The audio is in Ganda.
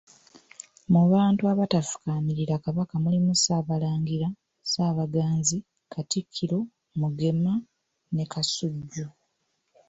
Mu bantu abatafukaamirira Kabaka mulimu Ssaabalangira, Ssaabaganzi, Katikkiro, Mugema ne Kasujju.